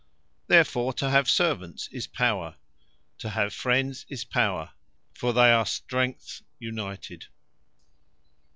Therefore to have servants, is Power; To have Friends, is Power: for they are strengths united.